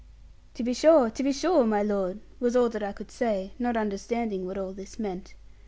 'To be sure, to be sure, my lord!' was all that I could say, not understanding what all this meant.